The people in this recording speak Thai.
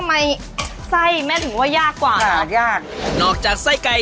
แม่จะไส้กับแป้งแม่ว่าส่วนไหนยากกว่ากัน